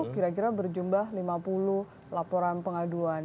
kira kira berjumlah lima puluh laporan pengaduan